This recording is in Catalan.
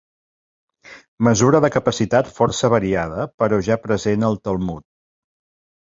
Mesura de capacitat força variada, però ja present al Talmud.